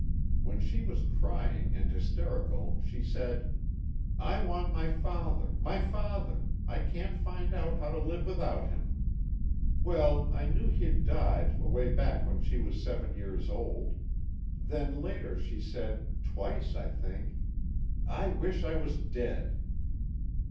When she was crying and hysterical, she said: 'I want my father, my father, I can't find out how to live without him.' Well, I knew he'd died away back when she was seven years old. Then later she said, twice I think: 'I wish I was dead.'